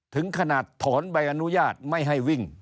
ถึงขนาดถอนใบอนุญาตไม่ให้วิ่ง